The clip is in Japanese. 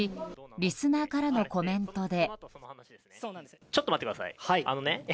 リスナーからのコメントで。